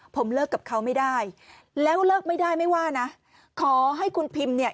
ผมเลิกกับเขาไม่ได้แล้วเลิกไม่ได้ไม่ว่านะขอให้คุณพิมเนี่ย